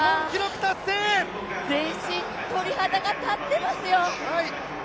全身鳥肌が立ってますよ。